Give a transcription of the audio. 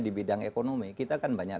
di bidang ekonomi kita kan banyak